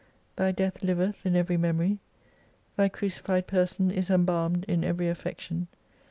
Thy death liveth in every memory, Thy crucified person is embalmed in every affection.